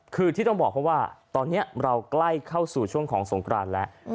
คือที่ต้องบอกเพราะว่าตอนนี้เราใกล้เข้าสู่ช่วงของสงครานแล้ว